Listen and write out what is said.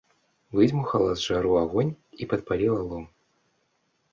Выдзьмухала з жару агонь і падпаліла лом.